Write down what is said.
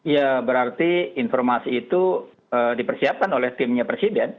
ya berarti informasi itu dipersiapkan oleh timnya presiden